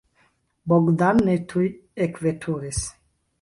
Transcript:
Bogdan ne tuj ekveturis.